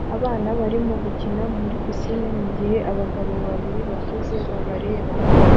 Abana barimo gukina muri pisine mugihe abagabo babiri bakuze babareba